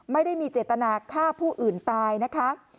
ไม่ได้มีเจตนาฆ่าผู้อื่นตายนะคะ